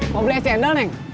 mau beli es cendol neng